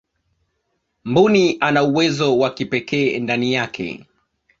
mbuni ana uwezo wa kipekee ndani yake